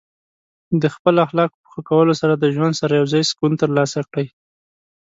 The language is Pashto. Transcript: د خپل اخلاقو په ښه کولو سره د ژوند سره یوځای سکون ترلاسه کړئ.